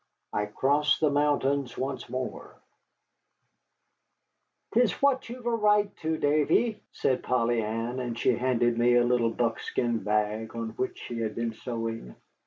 I CROSS THE MOUNTAINS ONCE MORE "'Tis what ye've a right to, Davy," said Polly Ann, and she handed me a little buckskin bag on which she had been sewing.